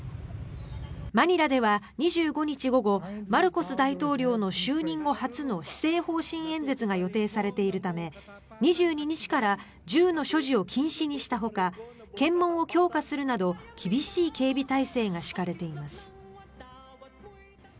マニラでは２５日午後マルコス大統領の就任後初の施政方針演説が予定されているため２２日から銃の所持を禁止にしたほか検問を強化するなど厳しい警備態勢が敷かれています。